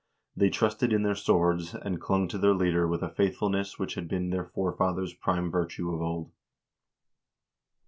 They trusted in their swords, and clung to their leader with a faith fulness which had been their forefathers' prime virtue of old.